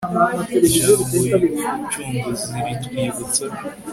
ijambo ry'umucunguzi, ritwibutsa